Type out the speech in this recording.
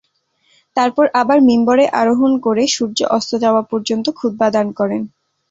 তারপর আবার মিম্বরে আরোহণ করে সূর্য অস্ত যাওয়া পর্যন্ত খুতবা দান করেন।